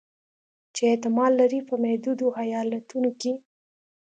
چې احتمال لري په متحدو ایالتونو کې